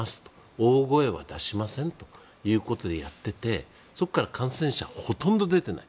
大声は出しませんということでやっていて、そこから感染者はほとんど出ていない。